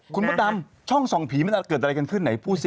คุณมดดำช่องส่องผีมันเกิดอะไรกันขึ้นไหนพูดสิ